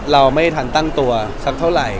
เราไม่ทันตั้งตัวสักเท่าไหร่